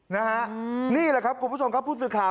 นี่แหละครับคุณผู้ชมครับผู้สื่อข่าว